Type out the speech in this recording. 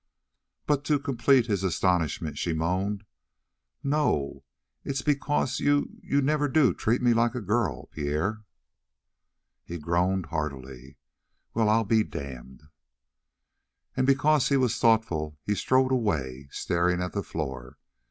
But to complete his astonishment she moaned: "N n no! It's b b because you you n n never do t treat me like a g g girl, P P Pierre!" He groaned heartily: "Well, I'll be damned!" And because he was thoughtful he strode away, staring at the floor.